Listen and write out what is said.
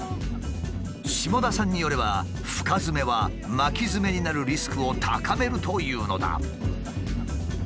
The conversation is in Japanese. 下田さんによれば深ヅメは巻きヅメになるリスクを高めるというのだ。